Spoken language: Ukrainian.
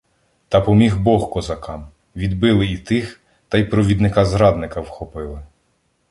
Та поміг Бог козакам, відбили і тих, та й провідника-зрадника вхопили.